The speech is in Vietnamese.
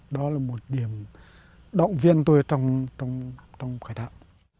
đó là một điểm động viên tôi trong khởi tạo